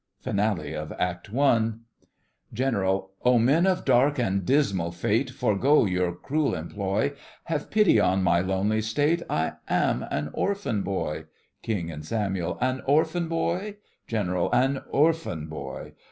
FINALE OF ACT I GENERAL: Oh, men of dark and dismal fate, Forgo your cruel employ, Have pity on my lonely state, I am an orphan boy! KING/SAMUEL: An orphan boy? GENERAL: An orphan boy!